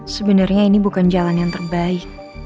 sebenarnya ini bukan jalan yang terbaik